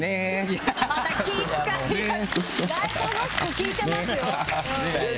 おとなしく聞いてますよ